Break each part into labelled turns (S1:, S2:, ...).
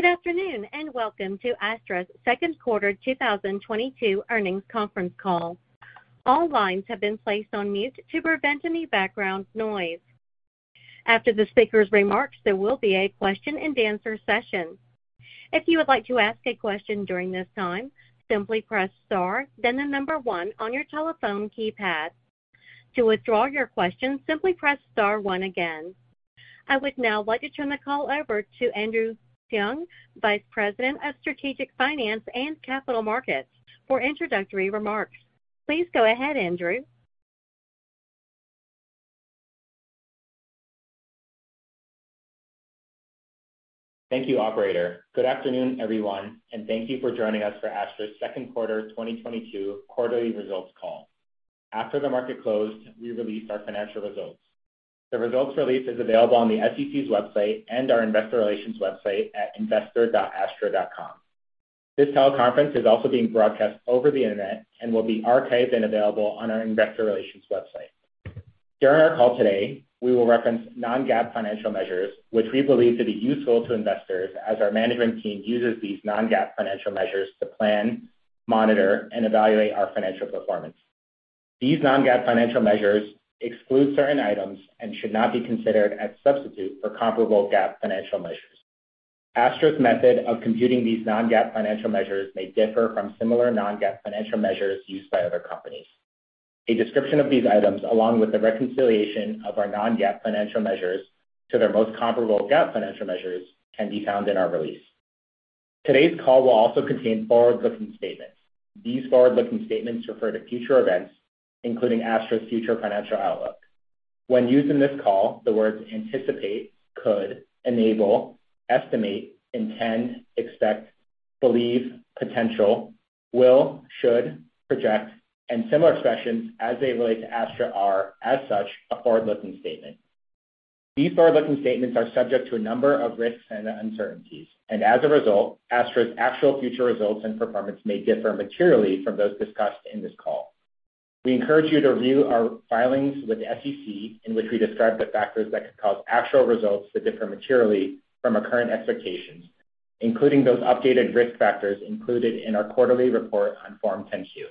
S1: Good afternoon, and welcome to Astra's second quarter 2022 earnings conference call. All lines have been placed on mute to prevent any background noise. After the speaker's remarks, there will be a question-and-answer session. If you would like to ask a question during this time, simply press star then the number one on your telephone keypad. To withdraw your question, simply press star one again. I would now like to turn the call over to Andrew Hsiung, Vice President of Strategic Finance and Capital Markets, for introductory remarks. Please go ahead, Andrew.
S2: Thank you, operator. Good afternoon everyone and thank you for joining us for Astra's second quarter 2022 quarterly results call. After the market closed, we released our financial results. The results release is available on the SEC's website and our investor relations website at investor.astra.com. This teleconference is also being broadcast over the Internet and will be archived and available on our investor relations website. During our call today, we will reference non-GAAP financial measures which we believe to be useful to investors as our management team uses these non-GAAP financial measures to plan, monitor, and evaluate our financial performance. These non-GAAP financial measures exclude certain items and should not be considered as substitute for comparable GAAP financial measures. Astra's method of computing these non-GAAP financial measures may differ from similar non-GAAP financial measures used by other companies. A description of these items, along with the reconciliation of our non-GAAP financial measures to their most comparable GAAP financial measures, can be found in our release. Today's call will also contain forward-looking statements. These forward-looking statements refer to future events, including Astra's future financial outlook. When used in this call, the words anticipate, could, enable, estimate, intend, expect, believe, potential, will, should, project, and similar expressions as they relate to Astra are, as such, a forward-looking statement. These forward-looking statements are subject to a number of risks and uncertainties, and as a result, Astra's actual future results and performance may differ materially from those discussed in this call. We encourage you to review our filings with the SEC in which we describe the factors that could cause actual results to differ materially from our current expectations, including those updated risk factors included in our quarterly report on Form 10-Q.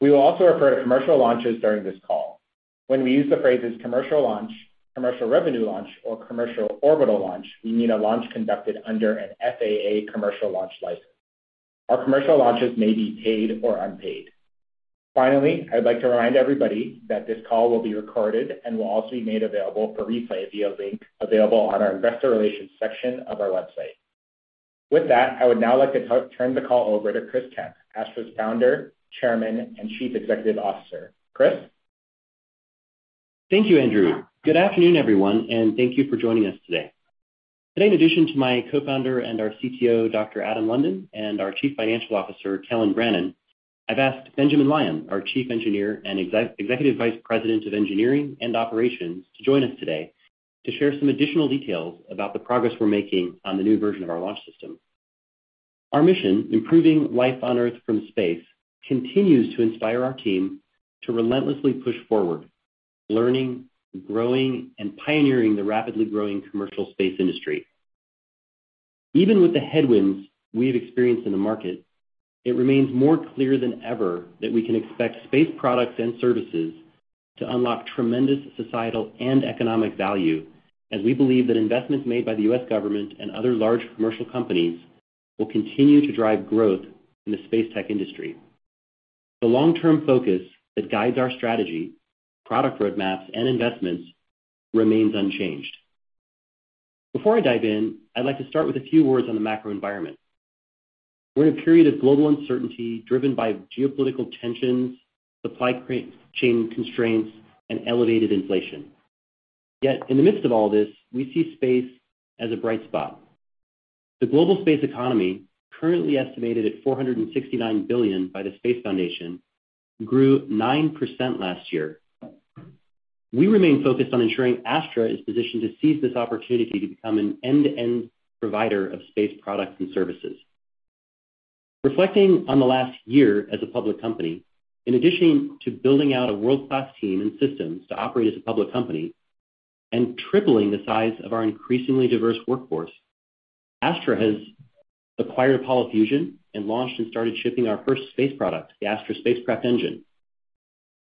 S2: We will also refer to commercial launches during this call. When we use the phrases commercial launch, commercial revenue launch or commercial orbital launch, we mean a launch conducted under an FAA commercial launch license. Our commercial launches may be paid or unpaid. Finally, I'd like to remind everybody that this call will be recorded and will also be made available for replay via link available on our investor relations section of our website. With that, I would now like to turn the call over to Chris Kemp, Astra's Founder, Chairman, and Chief Executive Officer. Chris?
S3: Thank you, Andrew. Good afternoon, everyone, and thank you for joining us today. Today, in addition to my co-founder and our CTO, Dr. Adam London, and our Chief Financial Officer, Kelyn Brannon, I've asked Benjamin Lyon, our Chief Engineer and Executive Vice President of Engineering and Operations, to join us today to share some additional details about the progress we're making on the new version of our launch system. Our mission, improving life on Earth from space, continues to inspire our team to relentlessly push forward, learning, growing, and pioneering the rapidly growing commercial space industry. Even with the headwinds we have experienced in the market, it remains more clear than ever that we can expect space products and services to unlock tremendous societal and economic value, as we believe that investments made by the U.S. government and other large commercial companies will continue to drive growth in the space tech industry. The long-term focus that guides our strategy, product roadmaps, and investments remains unchanged. Before I dive in, I'd like to start with a few words on the macro environment. We're in a period of global uncertainty driven by geopolitical tensions, supply chain constraints, and elevated inflation. Yet in the midst of all this, we see space as a bright spot. The global space economy, currently estimated at $469 billion by the Space Foundation, grew 9% last year. We remain focused on ensuring Astra is positioned to seize this opportunity to become an end-to-end provider of space products and services. Reflecting on the last year as a public company, in addition to building out a world-class team and systems to operate as a public company and tripling the size of our increasingly diverse workforce, Astra has acquired Apollo Fusion and launched and started shipping our first space product, the Astra Spacecraft Engine,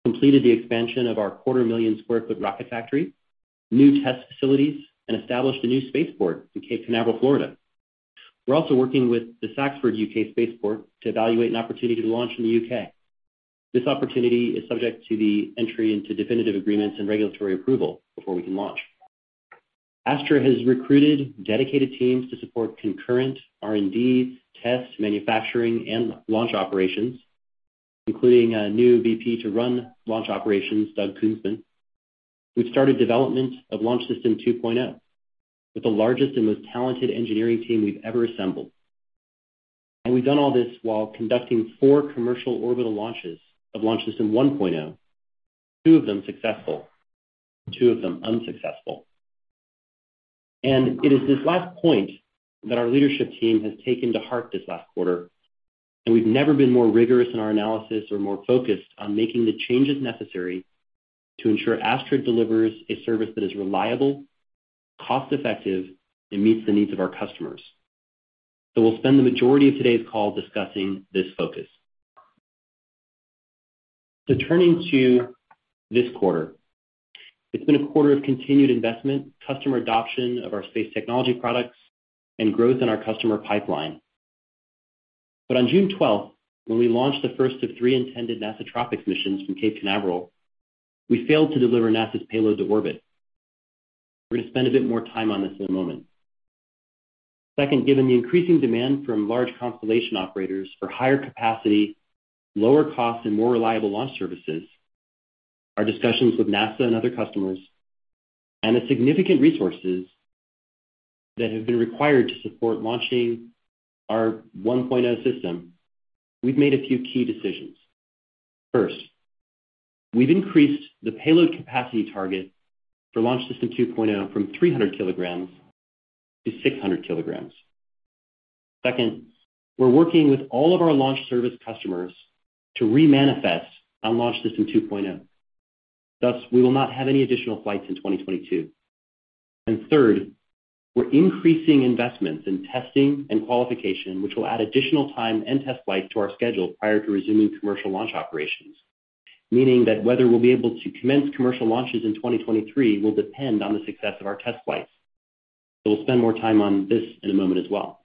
S3: completed the expansion of our 250,000 sq ft rocket factory, new test facilities, and established a new spaceport in Cape Canaveral, Florida. We're also working with the SaxaVord UK spaceport to evaluate an opportunity to launch in the U.K. This opportunity is subject to the entry into definitive agreements and regulatory approval before we can launch. Astra has recruited dedicated teams to support concurrent R&D, test, manufacturing, and launch operations, including a new VP to run launch operations, Doug Kunzman, who started development of Launch System 2.0, with the largest and most talented engineering team we've ever assembled. We've done all this while conducting four commercial orbital launches of Launch System 1.0, two of them successful, two of them unsuccessful. It is this last point that our leadership team has taken to heart this last quarter. We've never been more rigorous in our analysis or more focused on making the changes necessary to ensure Astra delivers a service that is reliable, cost-effective, and meets the needs of our customers. We'll spend the majority of today's call discussing this focus. Turning to this quarter. It's been a quarter of continued investment, customer adoption of our space technology products, and growth in our customer pipeline. On June 12th, when we launched the first of three intended NASA TROPICS missions from Cape Canaveral, we failed to deliver NASA's payload to orbit. We're gonna spend a bit more time on this in a moment. Second, given the increasing demand from large constellation operators for higher capacity, lower cost, and more reliable launch services, our discussions with NASA and other customers, and the significant resources that have been required to support launching our Launch System 1.0, we've made a few key decisions. First, we've increased the payload capacity target for Launch System 2.0 from 300 kg to 600 kg. Second, we're working with all of our launch service customers to re-manifest on Launch System 2.0. Thus, we will not have any additional flights in 2022. Third, we're increasing investments in testing and qualification, which will add additional time and test flights to our schedule prior to resuming commercial launch operations. Meaning that whether we'll be able to commence commercial launches in 2023 will depend on the success of our test flights. We'll spend more time on this in a moment as well.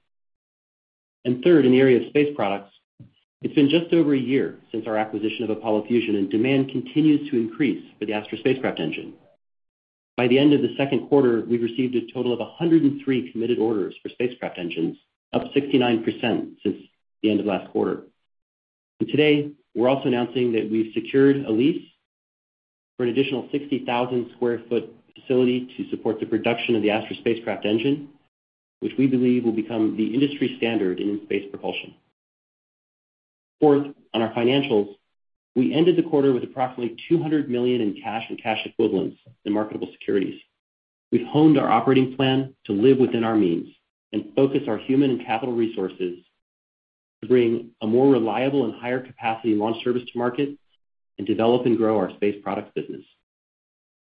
S3: Third, in the area of space products. It's been just over a year since our acquisition of Apollo Fusion, and demand continues to increase for the Astra Spacecraft Engine. By the end of the second quarter, we've received a total of 103 committed orders for spacecraft engines, up 69% since the end of last quarter. Today, we're also announcing that we've secured a lease for an additional 60,000 sq ft facility to support the production of the Astra Spacecraft Engine, which we believe will become the industry standard in space propulsion. Fourth, on our financials, we ended the quarter with approximately $200 million in cash and cash equivalents in marketable securities. We've honed our operating plan to live within our means and focus our human and capital resources to bring a more reliable and higher capacity launch service to market and develop and grow our space products business.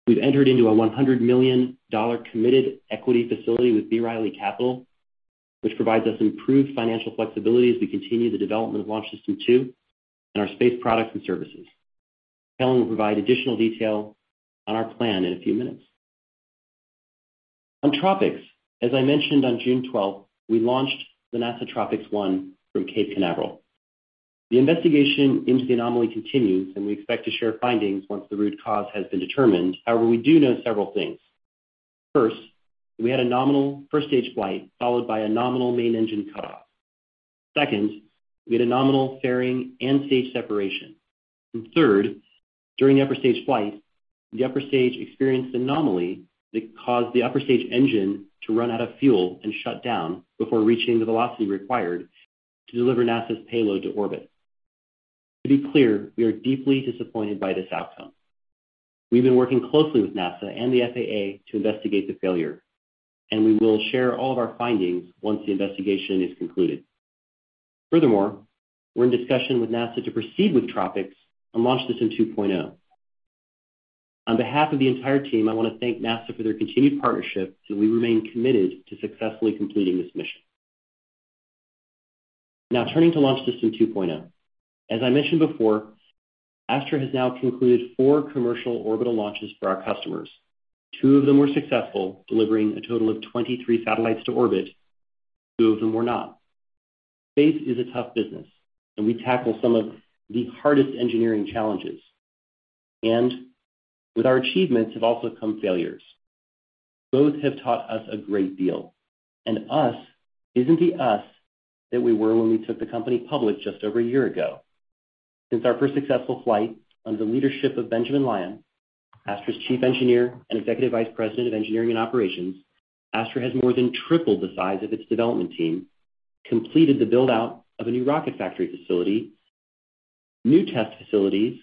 S3: We've entered into a $100 million committed equity facility with B. Riley Principal Capital, which provides us improved financial flexibility as we continue the development of Launch System 2.0 and our space products and services. Kelyn will provide additional detail on our plan in a few minutes. On TROPICS, as I mentioned on June 12, we launched the NASA TROPICS-1 from Cape Canaveral. The investigation into the anomaly continues, and we expect to share findings once the root cause has been determined. However, we do know several things. First, we had a nominal first stage flight followed by a nominal main engine cutoff. Second, we had a nominal fairing and stage separation. Third, during the upper stage flight, the upper stage experienced an anomaly that caused the upper stage engine to run out of fuel and shut down before reaching the velocity required to deliver NASA's payload to orbit. To be clear, we are deeply disappointed by this outcome. We've been working closely with NASA and the FAA to investigate the failure, and we will share all of our findings once the investigation is concluded. Furthermore, we're in discussion with NASA to proceed with TROPICS on Launch System 2.0. On behalf of the entire team, I wanna thank NASA for their continued partnership as we remain committed to successfully completing this mission. Now turning to Launch System 2.0. As I mentioned before, Astra has now concluded four commercial orbital launches for our customers. Two of them were successful, delivering a total of 23 satellites to orbit. Two of them were not. Space is a tough business, and we tackle some of the hardest engineering challenges. With our achievements have also come failures. Both have taught us a great deal, and us isn't the us that we were when we took the company public just over a year ago. Since our first successful flight, under the leadership of Benjamin Lyon, Astra's Chief Engineer and Executive Vice President of Engineering and Operations, Astra has more than tripled the size of its development team, completed the build-out of a new rocket factory facility, new test facilities,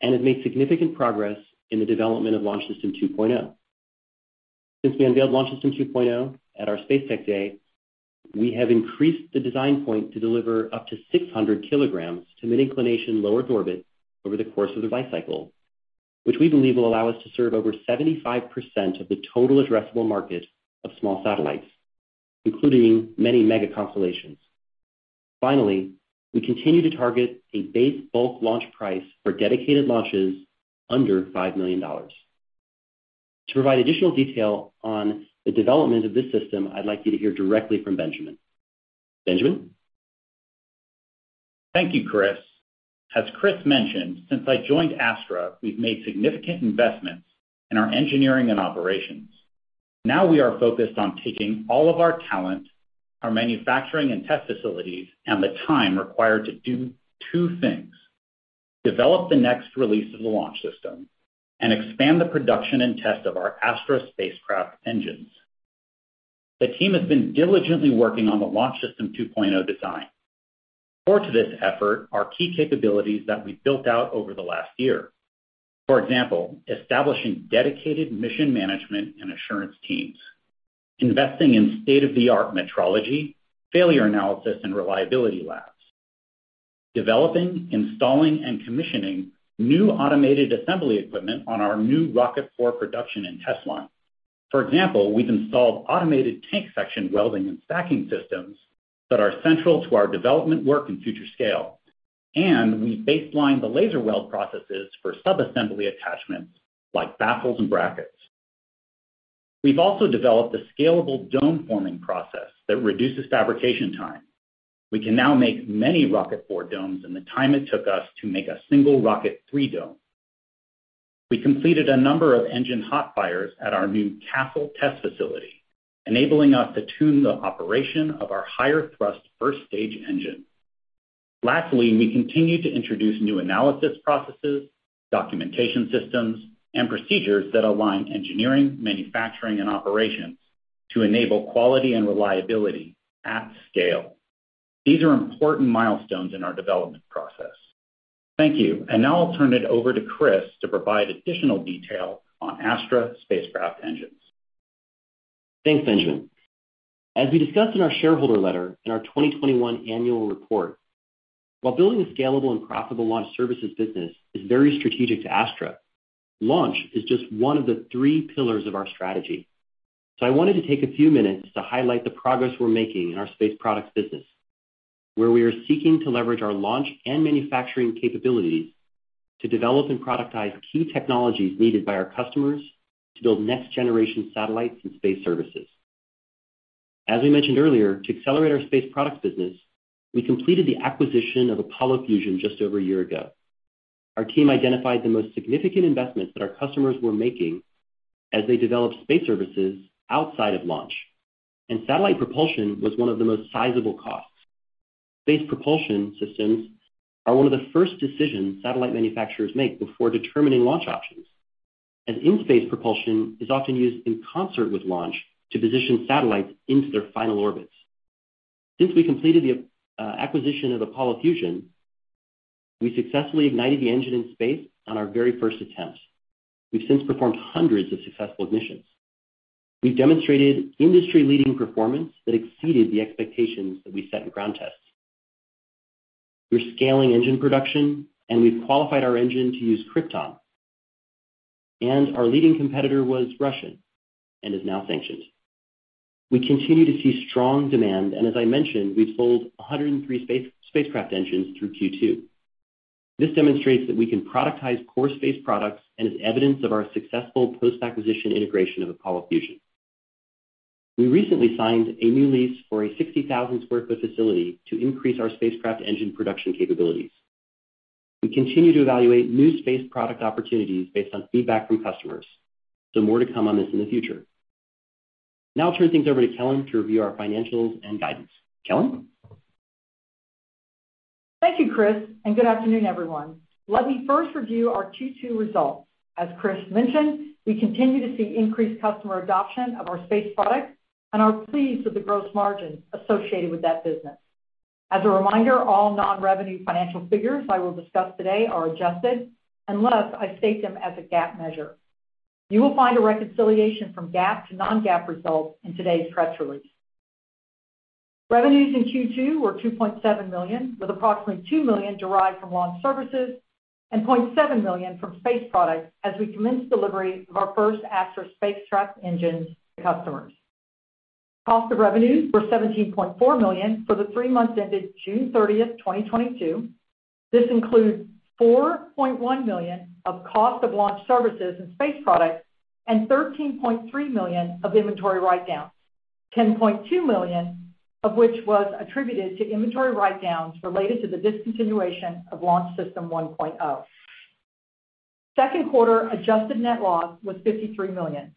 S3: and made significant progress in the development of Launch System 2.0. Since we unveiled Launch System 2.0 at our Spacetech Day, we have increased the design point to deliver up to 600 kg to Low Earth Orbit over the course of the life cycle, which we believe will allow us to serve over 75% of the total addressable market of small satellites, including many mega constellations. We continue to target a base bulk launch price for dedicated launches under $5 million. To provide additional detail on the development of this system, I'd like you to hear directly from Benjamin. Benjamin?
S4: Thank you, Chris. As Chris mentioned, since I joined Astra, we've made significant investments in our engineering and operations. Now we are focused on taking all of our talent, our manufacturing and test facilities, and the time required to do two things. Develop the next release of the launch system and expand the production and test of our Astra Spacecraft Engines. The team has been diligently working on the Launch System 2.0 design. Core to this effort are key capabilities that we've built out over the last year. For example, establishing dedicated mission management and assurance teams. Investing in state-of-the-art metrology, failure analysis and reliability labs. Developing, installing and commissioning new automated assembly equipment on our new Rocket 4 production and test line. For example, we've installed automated tank section welding and stacking systems that are central to our development work and future scale. We baseline the laser weld processes for sub-assembly attachments like baffles and brackets. We've also developed a scalable dome forming process that reduces fabrication time. We can now make many Rocket 4 domes in the time it took us to make a single Rocket 3 dome. We completed a number of engine hot fires at our new Castle test facility, enabling us to tune the operation of our higher thrust first stage engine. Lastly, we continue to introduce new analysis processes, documentation systems, and procedures that align engineering, manufacturing and operations to enable quality and reliability at scale. These are important milestones in our development process. Thank you. Now I'll turn it over to Chris to provide additional detail on Astra spacecraft engines.
S3: Thanks, Benjamin. As we discussed in our shareholder letter in our 2021 annual report, while building a scalable and profitable launch services business is very strategic to Astra, launch is just one of the three pillars of our strategy. I wanted to take a few minutes to highlight the progress we're making in our space products business, where we are seeking to leverage our launch and manufacturing capabilities to develop and productize key technologies needed by our customers to build next generation satellites and space services. As we mentioned earlier, to accelerate our space products business, we completed the acquisition of Apollo Fusion just over a year ago. Our team identified the most significant investments that our customers were making as they developed space services outside of launch. Satellite propulsion was one of the most sizable costs. Space propulsion systems are one of the first decisions satellite manufacturers make before determining launch options. In-space propulsion is often used in concert with launch to position satellites into their final orbits. Since we completed the acquisition of Apollo Fusion, we successfully ignited the engine in space on our very first attempt. We've since performed hundreds of successful ignitions. We've demonstrated industry-leading performance that exceeded the expectations that we set in ground tests. We're scaling engine production, and we've qualified our engine to use krypton. Our leading competitor was Russian and is now sanctioned. We continue to see strong demand, and as I mentioned, we've sold 103 spacecraft engines through Q2. This demonstrates that we can productize core space products and is evidence of our successful post-acquisition integration of Apollo Fusion. We recently signed a new lease for a 60,000 sq ft facility to increase our spacecraft engine production capabilities. We continue to evaluate new space product opportunities based on feedback from customers, so more to come on this in the future. Now I'll turn things over to Kelyn to review our financials and guidance. Kelyn?
S5: Thank you, Chris, and good afternoon, everyone. Let me first review our Q2 results. As Chris mentioned, we continue to see increased customer adoption of our space products and are pleased with the gross margin associated with that business. As a reminder, all non-revenue financial figures I will discuss today are adjusted unless I state them as a GAAP measure. You will find a reconciliation from GAAP to non-GAAP results in today's press release. Revenues in Q2 were $2.7 million, with approximately $2 million derived from launch services and $0.7 million from space products as we commenced delivery of our first Astra Spacecraft Engines to customers. Cost of revenues were $17.4 million for the three months ended June 30th, 2022. This includes $4.1 million of cost of launch services and space products and $13.3 million of inventory write-downs, $10.2 million of which was attributed to inventory write-downs related to the discontinuation of Launch System 1.0. Second quarter adjusted net loss was $53 million.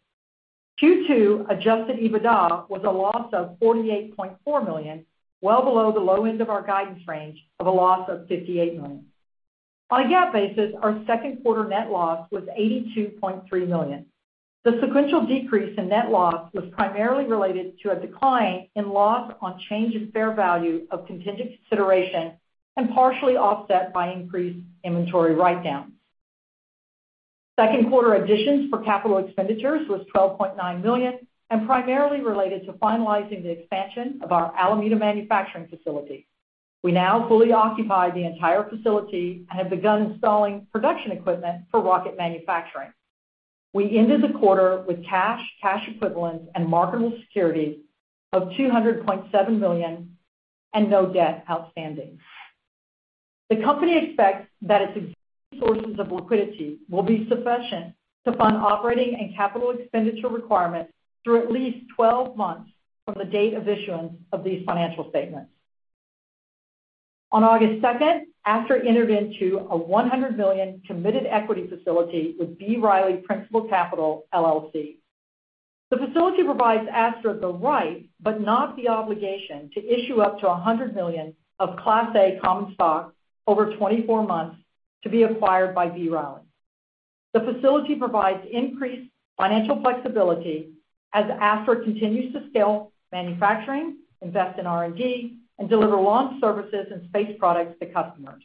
S5: Q2 adjusted EBITDA was a loss of $48.4 million, well below the low end of our guidance range of a loss of $58 million. On a GAAP basis, our second quarter net loss was $82.3 million. The sequential decrease in net loss was primarily related to a decline in loss on change in fair value of contingent consideration and partially offset by increased inventory write-downs. Second quarter additions for capital expenditures was $12.9 million and primarily related to finalizing the expansion of our Alameda manufacturing facility. We now fully occupy the entire facility and have begun installing production equipment for rocket manufacturing. We ended the quarter with cash equivalents, and marketable securities of $200.7 million and no debt outstanding. The company expects that its existing sources of liquidity will be sufficient to fund operating and capital expenditure requirements through at least 12 months from the date of issuance of these financial statements. On August 2nd, Astra entered into a $100 million committed equity facility with B. Riley Principal Capital LLC. The facility provides Astra the right but not the obligation to issue up to $100 million of Class A common stock over 24 months to be acquired by B. Riley. The facility provides increased financial flexibility as Astra continues to scale manufacturing, invest in R&D, and deliver launch services and space products to customers.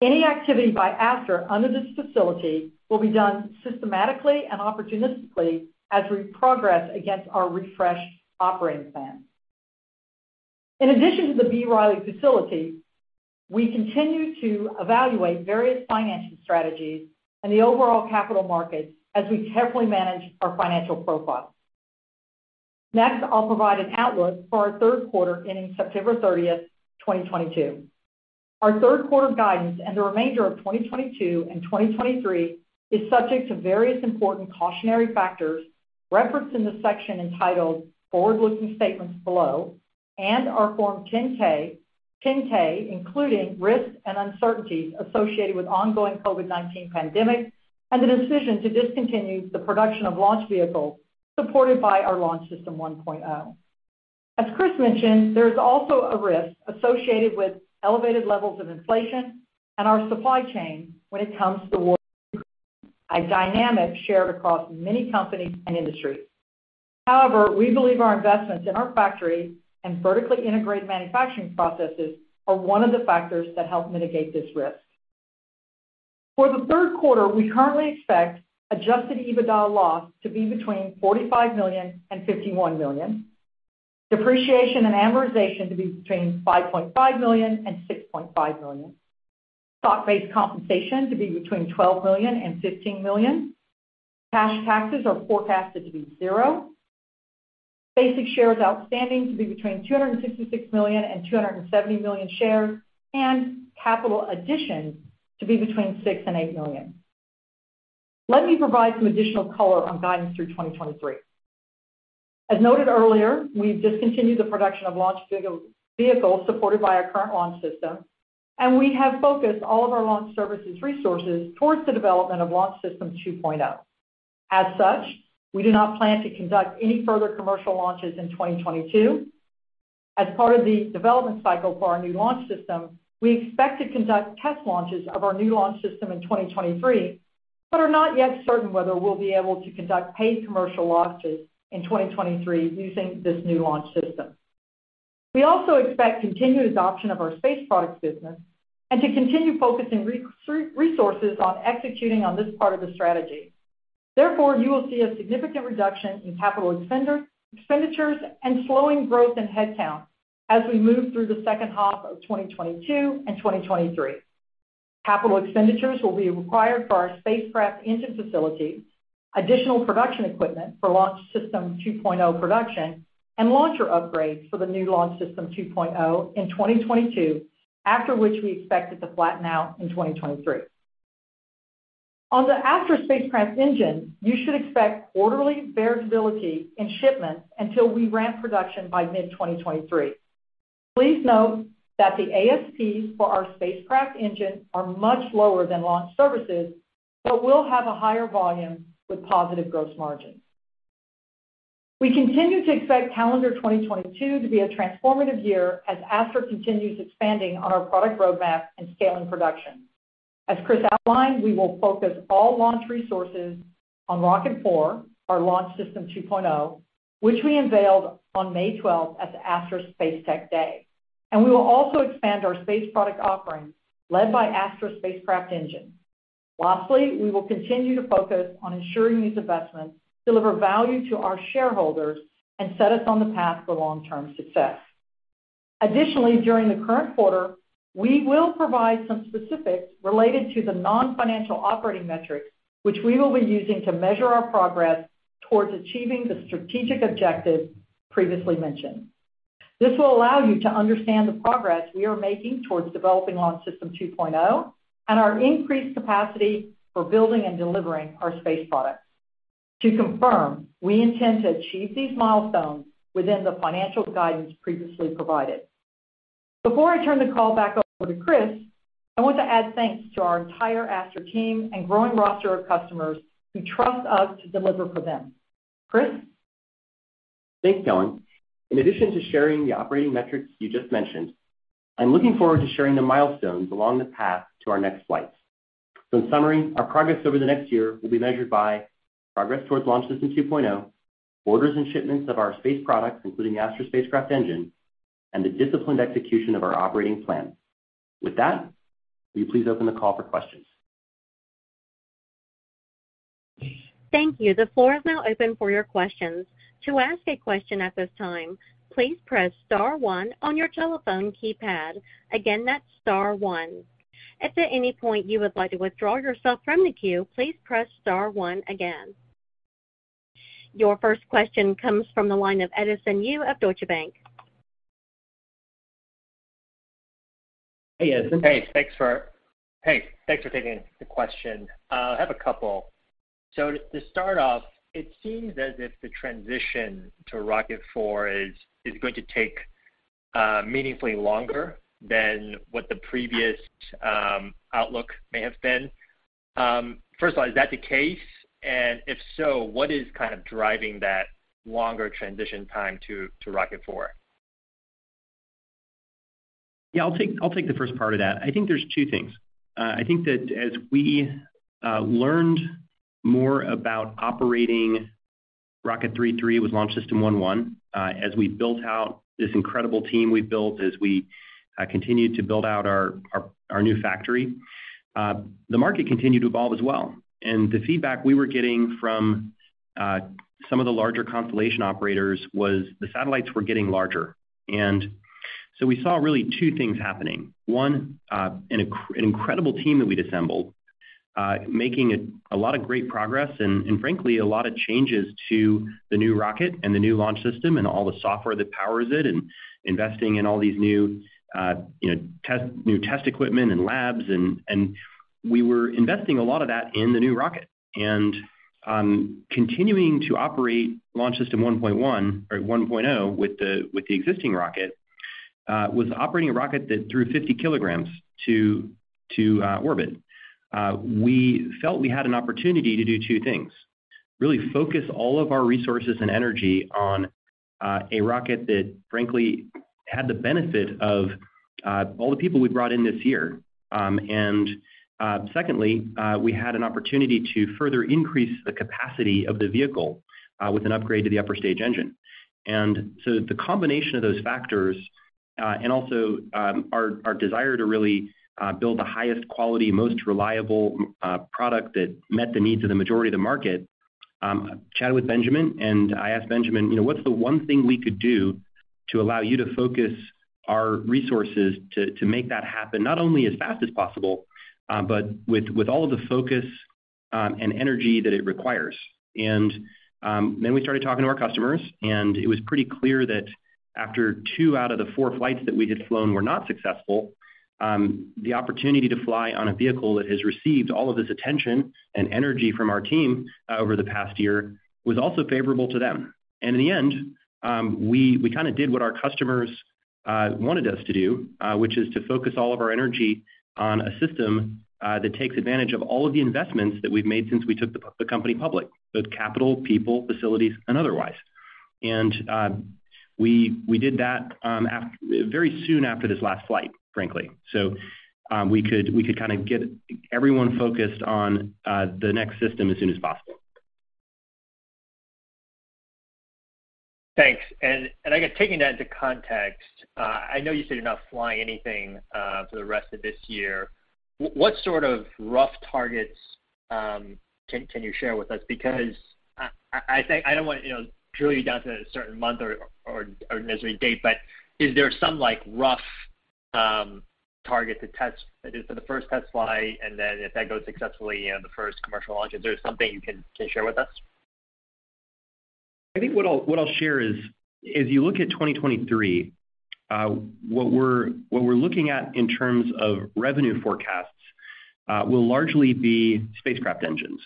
S5: Any activity by Astra under this facility will be done systematically and opportunistically as we progress against our refreshed operating plan. In addition to the B. Riley facility, we continue to evaluate various financing strategies and the overall capital market as we carefully manage our financial profile. Next, I'll provide an outlook for our third quarter ending September 30th, 2022. Our third quarter guidance and the remainder of 2022 and 2023 is subject to various important cautionary factors referenced in the section entitled Forward-Looking Statements below and our Form 10-K, including risks and uncertainties associated with ongoing COVID-19 pandemic and the decision to discontinue the production of launch vehicles supported by our Launch System 1.0. As Chris mentioned, there is also a risk associated with elevated levels of inflation and our supply chain when it comes to raw materials, a dynamic shared across many companies and industries. However, we believe our investments in our factory and vertically integrated manufacturing processes are one of the factors that help mitigate this risk. For the third quarter, we currently expect adjusted EBITDA loss to be between $45 million and $51 million. Depreciation and amortization to be between $5.5 million and $6.5 million. Stock-based compensation to be between $12 million and $15 million. Cash taxes are forecasted to be zero. Basic shares outstanding to be between 266 million and 270 million shares, and capital additions to be between $6 million and $8 million. Let me provide some additional color on guidance through 2023. As noted earlier, we've discontinued the production of launch vehicle supported by our current launch system, and we have focused all of our launch services resources towards the development of Launch System 2.0. As such, we do not plan to conduct any further commercial launches in 2022. As part of the development cycle for our new launch system, we expect to conduct test launches of our new launch system in 2023, but are not yet certain whether we'll be able to conduct paid commercial launches in 2023 using this new launch system. We also expect continued adoption of our space products business and to continue focusing resources on executing on this part of the strategy. Therefore, you will see a significant reduction in capital expenditures and slowing growth in headcount as we move through the second half of 2022 and 2023. Capital expenditures will be required for our spacecraft engine facility, additional production equipment for Launch System 2.0 production, and launcher upgrades for the new Launch System 2.0 in 2022, after which we expect it to flatten out in 2023. On the Astra Spacecraft Engine, you should expect quarterly variability in shipments until we ramp production by mid-2023. Please note that the ASPs for our spacecraft engine are much lower than launch services, but will have a higher volume with positive gross margins. We continue to expect calendar 2022 to be a transformative year as Astra continues expanding on our product roadmap and scaling production. As Chris outlined, we will focus all launch resources on Rocket 4, our Launch System 2.0, which we unveiled on May 12th at the Astra Spacetech Day. We will also expand our space product offerings led by Astra Spacecraft Engine. Lastly, we will continue to focus on ensuring these investments deliver value to our shareholders and set us on the path for long-term success. Additionally, during the current quarter, we will provide some specifics related to the non-financial operating metrics, which we will be using to measure our progress towards achieving the strategic objectives previously mentioned. This will allow you to understand the progress we are making towards developing Launch System 2.0 and our increased capacity for building and delivering our space products. To confirm, we intend to achieve these milestones within the financial guidance previously provided. Before I turn the call back over to Chris, I want to add thanks to our entire Astra team and growing roster of customers who trust us to deliver for them. Chris.
S3: Thanks, Kelyn. In addition to sharing the operating metrics you just mentioned, I'm looking forward to sharing the milestones along the path to our next flight. In summary, our progress over the next year will be measured by progress towards Launch System 2.0, orders and shipments of our space products, including the Astra Spacecraft Engine, and the disciplined execution of our operating plan. With that, will you please open the call for questions?
S1: Thank you. The floor is now open for your questions. To ask a question at this time, please press star one on your telephone keypad. Again, that's star one. If at any point you would like to withdraw yourself from the queue, please press star one again. Your first question comes from the line of Edison Yu of Deutsche Bank.
S2: Hey, Edison.
S6: Hey, thanks for taking the question. I have a couple. To start off, it seems as if the transition to Rocket 4 is going to take meaningfully longer than what the previous outlook may have been. First of all, is that the case? And if so, what is kind of driving that longer transition time to Rocket 4? Yeah, I'll take the first part of that. I think there's two things. I think that as we learned more about operating
S3: Rocket 3 was Launch System 1.0. As we built out this incredible team we've built, as we continued to build out our new factory, the market continued to evolve as well. The feedback we were getting from some of the larger constellation operators was the satellites were getting larger. We saw really two things happening. One, an incredible team that we'd assembled, making a lot of great progress and frankly a lot of changes to the new rocket and the new launch system and all the software that powers it and investing in all these new, you know, test equipment and labs. We were investing a lot of that in the new rocket. Continuing to operate Launch System 1.1 or 1.0 with the existing rocket was operating a rocket that threw 50 kg to orbit. We felt we had an opportunity to do two things, really focus all of our resources and energy on a rocket that frankly had the benefit of all the people we brought in this year. Secondly, we had an opportunity to further increase the capacity of the vehicle with an upgrade to the upper stage engine. The combination of those factors, and also, our desire to really build the highest quality, most reliable product that met the needs of the majority of the market. Chatted with Benjamin, and I asked Benjamin, "You know, what's the one thing we could do to allow you to focus our resources to make that happen not only as fast as possible, but with all of the focus and energy that it requires?" Then we started talking to our customers, and it was pretty clear that after two out of the four flights that we had flown were not successful, the opportunity to fly on a vehicle that has received all of this attention and energy from our team over the past year was also favorable to them. In the end, we kinda did what our customers wanted us to do, which is to focus all of our energy on a system that takes advantage of all of the investments that we've made since we took the company public, both capital, people, facilities, and otherwise. We did that very soon after this last flight, frankly. We could kinda get everyone focused on the next system as soon as possible.
S6: Thanks. I guess taking that into context, I know you said you're not flying anything for the rest of this year. What sort of rough targets can you share with us? Because I think I don't want, you know, to drill down to a certain month or necessarily date, but is there some, like, rough target to test for the first test flight and then if that goes successfully, you know, the first commercial launch? Is there something you can share with us?
S3: I think what I'll share is, as you look at 2023, what we're looking at in terms of revenue forecasts will largely be spacecraft engines.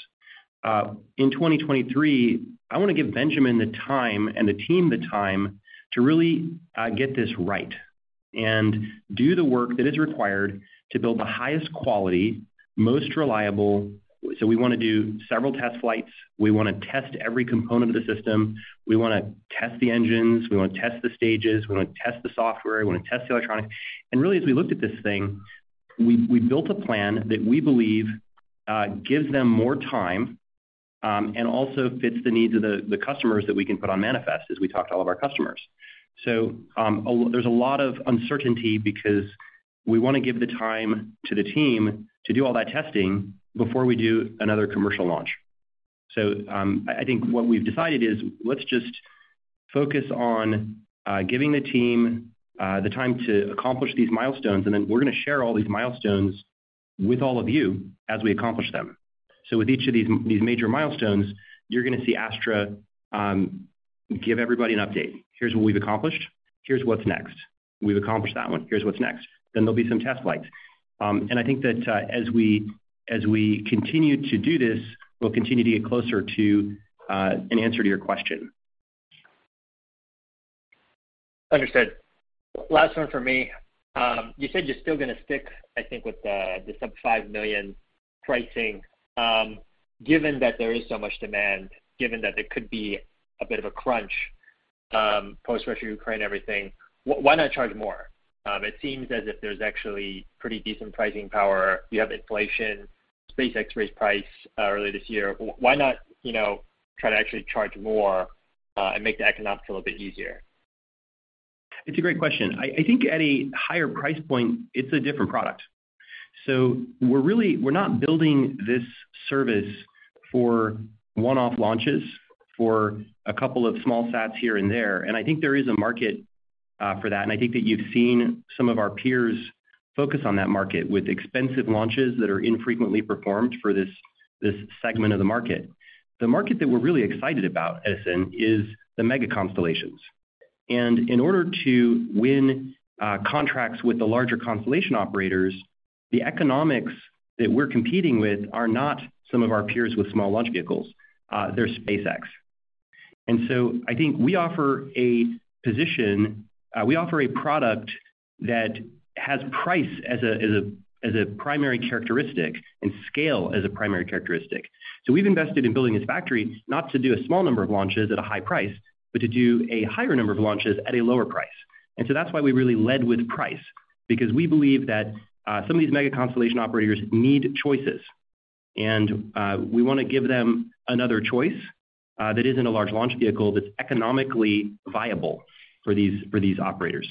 S3: In 2023, I wanna give Benjamin the time and the team the time to really get this right and do the work that is required to build the highest quality, most reliable. We wanna do several test flights. We wanna test every component of the system. We wanna test the engines. We wanna test the stages. We wanna test the software. We wanna test the electronics. Really, as we looked at this thing, we built a plan that we believe gives them more time and also fits the needs of the customers that we can put on manifest as we talk to all of our customers. There's a lot of uncertainty because we wanna give the time to the team to do all that testing before we do another commercial launch. I think what we've decided is let's just focus on giving the team the time to accomplish these milestones, and then we're gonna share all these milestones with all of you as we accomplish them. With each of these major milestones, you're gonna see Astra give everybody an update. Here's what we've accomplished. Here's what's next. We've accomplished that one. Here's what's next. Then there'll be some test flights. I think that as we continue to do this, we'll continue to get closer to an answer to your question.
S6: Understood. Last one for me. You said you're still gonna stick, I think, with the sub $5 million pricing. Given that there is so much demand, given that there could be a bit of a crunch, post Russia/Ukraine everything, why not charge more? It seems as if there's actually pretty decent pricing power. You have inflation. SpaceX raised price earlier this year. Why not, you know, try to actually charge more and make the economics a little bit easier?
S3: It's a great question. I think at a higher price point, it's a different product. We're not building this service for one-off launches for a couple of small sats here and there. I think there is a market for that, and I think that you've seen some of our peers focus on that market with expensive launches that are infrequently performed for this segment of the market. The market that we're really excited about, Edison, is the mega constellations. In order to win contracts with the larger constellation operators, the economics that we're competing with are not some of our peers with small launch vehicles. They're SpaceX. I think we offer a position, we offer a product that has price as a primary characteristic and scale as a primary characteristic. We've invested in building this factory not to do a small number of launches at a high price, but to do a higher number of launches at a lower price. That's why we really led with price. Because we believe that some of these mega constellation operators need choices, and we wanna give them another choice that isn't a large launch vehicle that's economically viable for these operators.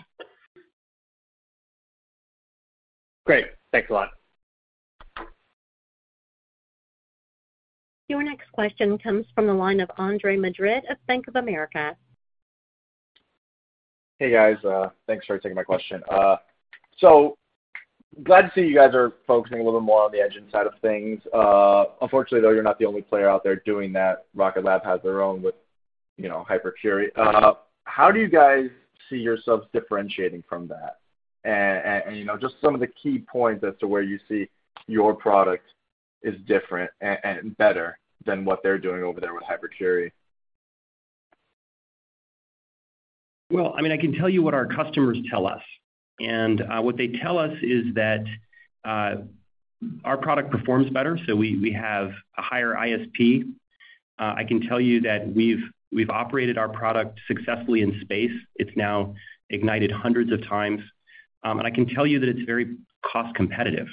S6: Great. Thanks a lot.
S1: Your next question comes from the line of Andre Madrid of Bank of America.
S7: Hey, guys. Thanks for taking my question. So glad to see you guys are focusing a little bit more on the engine side of things. Unfortunately, though, you're not the only player out there doing that. Rocket Lab has their own with, you know, HyperCurie. How do you guys see yourselves differentiating from that? And, you know, just some of the key points as to where you see your product is different and better than what they're doing over there with HyperCurie.
S3: Well, I mean, I can tell you what our customers tell us. What they tell us is that our product performs better, so we have a higher ISP. I can tell you that we've operated our product successfully in space. It's now ignited hundreds of times. I can tell you that it's very cost competitive.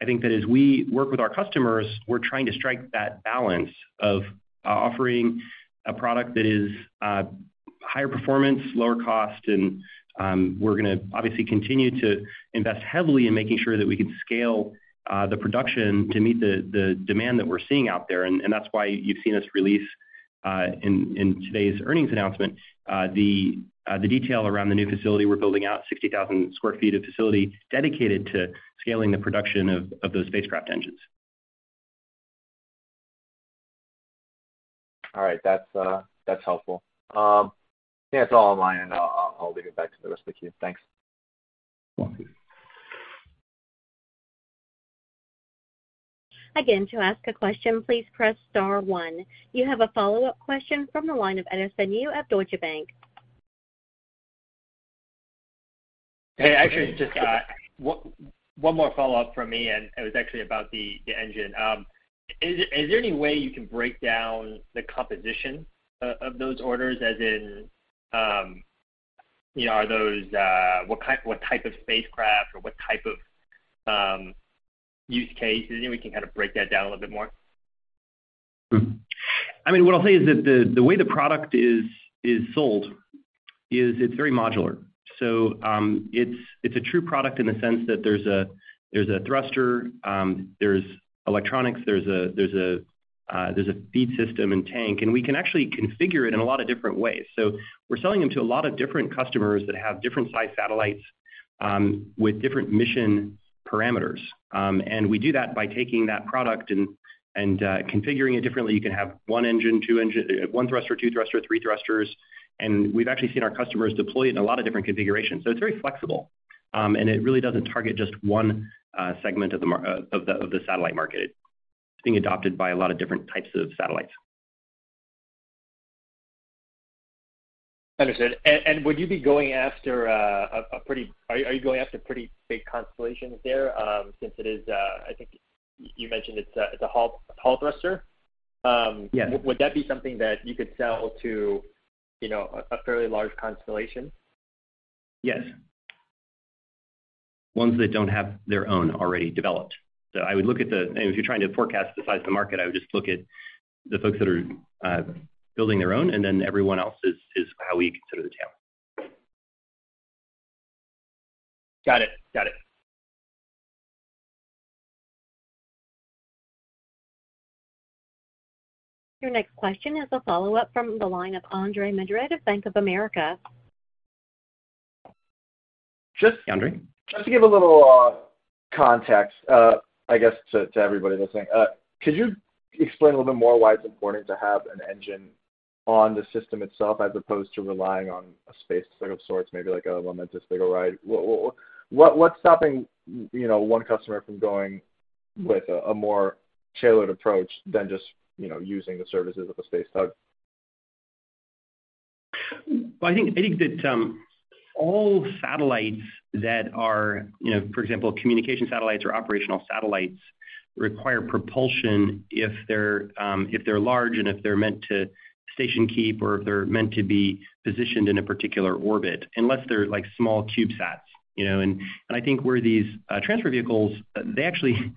S3: I think that as we work with our customers, we're trying to strike that balance of offering a product that is higher performance, lower cost, and we're gonna obviously continue to invest heavily in making sure that we can scale the production to meet the demand that we're seeing out there. That's why you've seen us release, in today's earnings announcement, the detail around the new facility we're building out, 60,000 sq ft of facility dedicated to scaling the production of those spacecraft engines.
S7: All right. That's helpful. Yeah, that's all on my end. I'll leave it back to the rest of the queue. Thanks.
S3: You're welcome.
S1: Again, to ask a question, please press star one. You have a follow-up question from the line of Edison Yu at Deutsche Bank.
S6: Hey, actually, just one more follow-up from me. It was actually about the engine. Is there any way you can break down the composition of those orders? As in, you know, are those what type of spacecraft or what type of use cases? You know, we can kind of break that down a little bit more.
S3: I mean, what I'll say is that the way the product is sold is it's very modular. It's a true product in the sense that there's a thruster, there's electronics, there's a feed system and tank, and we can actually configure it in a lot of different ways. We're selling them to a lot of different customers that have different sized satellites with different mission parameters. We do that by taking that product and configuring it differently. You can have one thruster, two thrusters, three thrusters, and we've actually seen our customers deploy it in a lot of different configurations. It's very flexible. It really doesn't target just one segment of the satellite market. It's being adopted by a lot of different types of satellites.
S6: Understood. Are you going after pretty big constellations there, since it is, I think you mentioned it's a hall thruster?
S3: Yes.
S6: Would that be something that you could sell to, you know, a fairly large constellation?
S3: Yes. Ones that don't have their own already developed. If you're trying to forecast the size of the market, I would just look at the folks that are building their own, and then everyone else is how we consider the channel.
S6: Got it. Got it.
S1: Your next question is a follow-up from the line of Andre Madrid of Bank of America.
S3: Yeah, Andre.
S7: Just to give a little context, I guess to everybody listening. Could you explain a little bit more why it's important to have an engine on the system itself as opposed to relying on a space tug of sorts, maybe like a Momentus Vigoride? What’s stopping, you know, one customer from going with a more tailored approach than just, you know, using the services of a space tug?
S3: Well, I think that all satellites that are, you know, for example, communication satellites or operational satellites require propulsion if they're large and if they're meant to station keep or if they're meant to be positioned in a particular orbit unless they're like small CubeSats, you know. I think where these transfer vehicles, they actually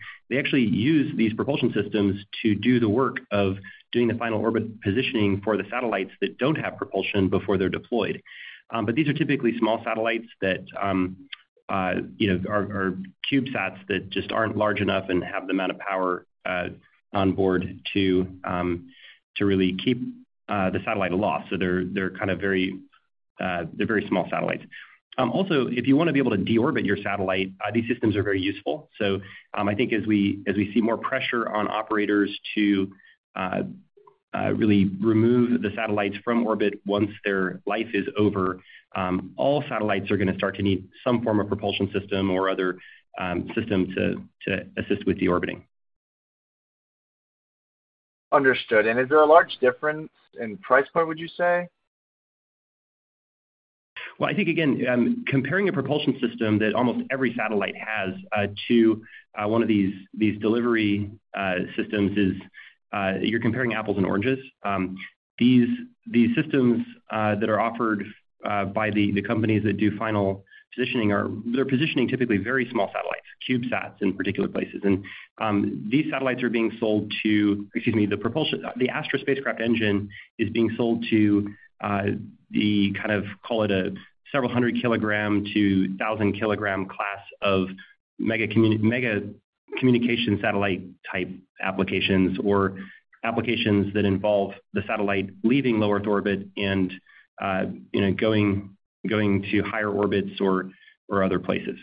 S3: use these propulsion systems to do the work of doing the final orbit positioning for the satellites that don't have propulsion before they're deployed. These are typically small satellites that you know are CubeSats that just aren't large enough and don't have the amount of power onboard to really keep the satellite aloft. They're very small satellites. Also, if you wanna be able to deorbit your satellite, these systems are very useful. I think as we see more pressure on operators to really remove the satellites from orbit once their life is over, all satellites are gonna start to need some form of propulsion system or other system to assist with deorbiting.
S7: Understood. Is there a large difference in price point, would you say?
S3: Well, I think again, comparing a propulsion system that almost every satellite has to one of these delivery systems is, you're comparing apples and oranges. These systems that are offered by the companies that do final positioning are. They're positioning typically very small satellites, CubeSats in particular places. The Astra Spacecraft Engine is being sold to the kind of, call it a several 100 kg-1,000 kg class of mega communication satellite type applications or applications that involve the satellite leaving Low Earth Orbit and you know going to higher orbits or other places.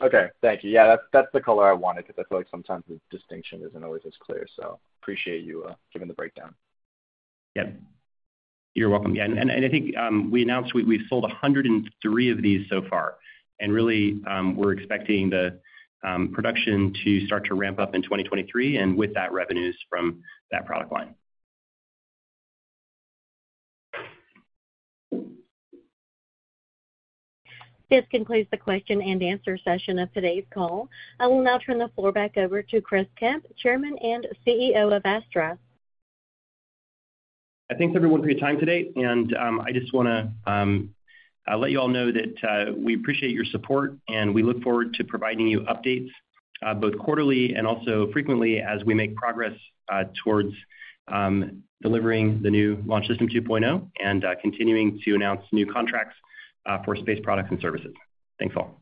S7: Okay. Thank you. Yeah, that's the color I wanted 'cause I feel like sometimes the distinction isn't always as clear. Appreciate you giving the breakdown.
S3: Yeah. You're welcome. Yeah, and I think we announced we've sold 103 of these so far. Really, we're expecting the production to start to ramp up in 2023 and with that, revenues from that product line.
S1: This concludes the question-and-answer session of today's call. I will now turn the floor back over to Chris Kemp, Chairman and Chief Executive Officer of Astra.
S3: I thank everyone for your time today, and I just wanna let you all know that we appreciate your support, and we look forward to providing you updates both quarterly and also frequently as we make progress towards delivering the new Launch System 2.0 and continuing to announce new contracts for space products and services. Thanks, all.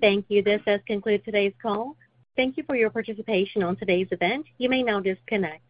S1: Thank you. This does conclude today's call. Thank you for your participation on today's event. You may now disconnect.